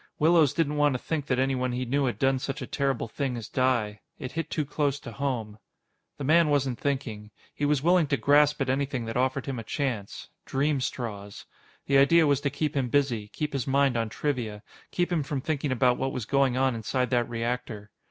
Willows didn't want to think that anyone he knew had done such a terrible thing as die. It hit too close to home. The man wasn't thinking. He was willing to grasp at anything that offered him a chance dream straws. The idea was to keep him busy, keep his mind on trivia, keep him from thinking about what was going on inside that reactor.